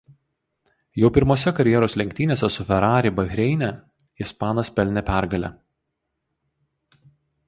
Jau pirmose karjeros lenktynėse su Ferrari Bahreine ispanas pelnė pergalę.